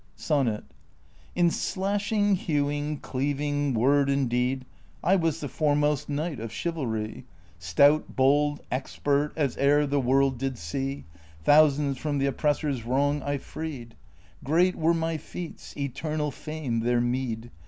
SONNET. In slashing, hewing, cleaving, word, and deed, I was the foremost knight of chivalry, Stout, bold, expert, as e'er the world did see ; Thousands from the oppressor's wi ong I freed ; Great were my feats, eternal fame their meed